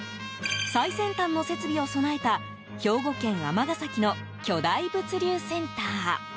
最先端の設備を備えた兵庫県尼崎の巨大物流センター。